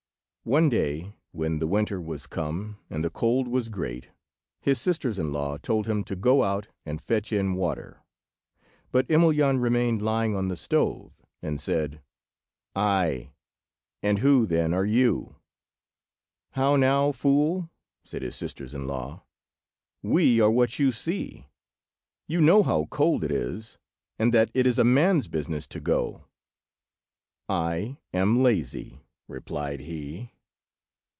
One day, when the winter was come and the cold was great, his sisters in law told him to go out and fetch in water, but Emelyan remained lying on the stove, and said— "Ay, and who, then, are you?" "How now, fool!" said his sisters in law, "we are what you see. You know how cold it is, and that it is a man's business to go." "I am lazy," replied he.